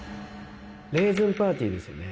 レーズンパーティーですよね。